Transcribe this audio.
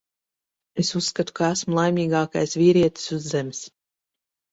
Es uzskatu, ka esmu laimīgākais vīrietis uz Zemes.